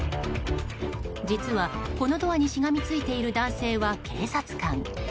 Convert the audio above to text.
実は、このドアにしがみついている男性は警察官。